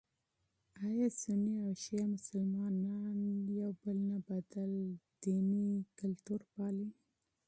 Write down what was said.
ایا سني او شیعه مسلمانان مختلف ديني دودونه پالي؟